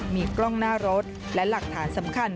มีกล้องหน้ารถและหลักฐานสำคัญ